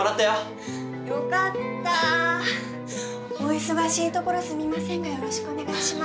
お忙しいところすみませんがよろしくお願いします。